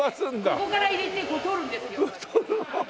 ここから入れてこう取るんですよ。